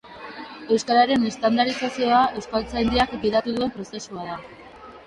Euskararen estandarizazioa Euskaltzaindiak gidatu duen prozesua da.